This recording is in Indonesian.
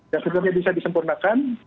yang sebenarnya bisa disempurnakan